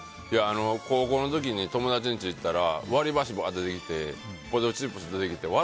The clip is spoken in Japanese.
高校の時に友達の家行ったら割り箸出てきてポテトチップス出てきて笑